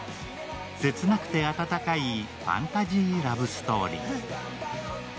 切なくて温かいファンタジーラブストーリー。